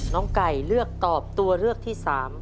น้องไก่เลือกตอบตัวเลือกที่๓